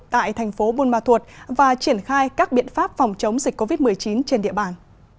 tại thành phố buôn ma thuột và triển khai các biện pháp phòng chống dịch covid một mươi chín trên địa bàn